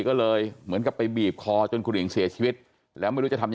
ก็เลยเหมือนกับไปบีบคอจนคุณอิ๋งเสียชีวิตแล้วไม่รู้จะทำ